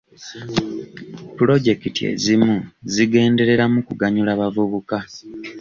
Pulojekiti ezimu zigendereramu kuganyula bavubuka